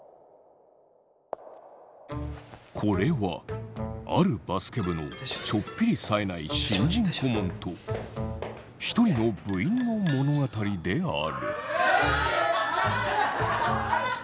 これはあるバスケ部のちょっぴりさえない新人顧問と一人の部員の物語である。